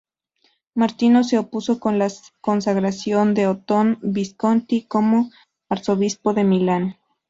Martino se opuso a la consagración de Otón Visconti como Arzobispo de Milán.